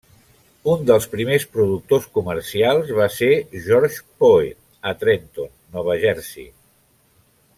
Un dels primers productors comercials va ser George Poe a Trenton, Nova Jersey.